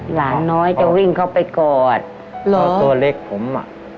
หลานน้อยจะวิ่งเข้าไปกอดรอตัวเล็กผมอ่ะ